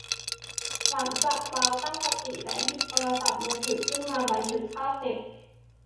หลังจากบราวน์ตั้งสติและหยิบโทรศัพท์มือถือขึ้นมาบันทึกภาพเสร็จ